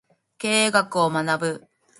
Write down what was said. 経営学を学ぶ